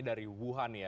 dari wuhan ya